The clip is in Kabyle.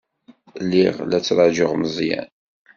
Lliɣ la ttṛajuɣ Meẓyan.